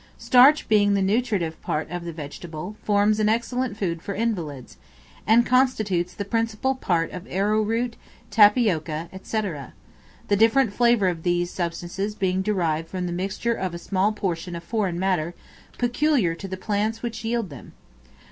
Starch being the nutritive part of the vegetable, forms an excellent food for invalids, and constitutes the principal part of arrow root, tapioca, &c. the different flavor of these substances being derived from the mixture of a small portion of foreign matter peculiar to the plants which yield them.